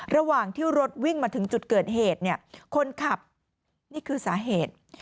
ระหว่างที่รถวิ่งมาถึงจุดเกิดเหตุเนี่ยคนขับนี่คือสาเหตุ